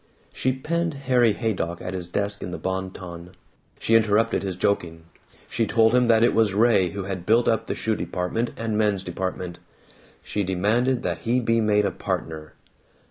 She penned Harry Haydock at his desk in the Bon Ton; she interrupted his joking; she told him that it was Ray who had built up the shoe department and men's department; she demanded that he be made a partner.